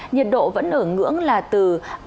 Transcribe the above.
nhiệt độ vẫn ở ngưỡng là từ